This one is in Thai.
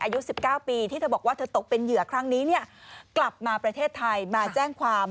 อายุ๑๙ปีที่เธอบอกว่าเธอตกเป็นเหยื่อครั้งนี้เนี่ยกลับมาประเทศไทยมาแจ้งความ